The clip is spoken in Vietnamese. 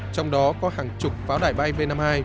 trong đó có hàng chục pháo đải bay b năm mươi hai